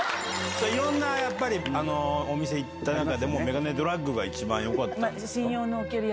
いろんなやっぱり、お店行った中でも、メガネドラッグが一番よかったんですか？